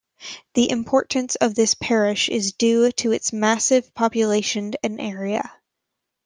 The importance of this parish is due to its massive population and area.